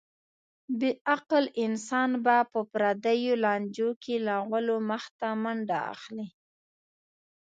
بې عقل انسان به په پردیو لانجو کې له غولو مخته منډه اخلي.